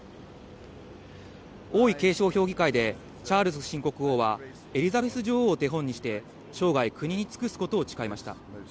王位継承評議会で、チャールズ新国王は、エリザベス女王を手本にして生涯、国に尽くすことを誓いました。